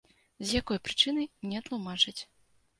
З якой прычыны, не тлумачыць.